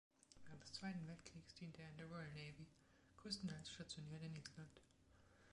Während des Zweiten Weltkriegs diente er in der Royal Navy, größtenteils stationiert in Island.